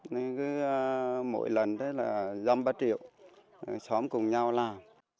nên cứ mỗi lần tới là dăm ba triệu xóm cùng nhau làm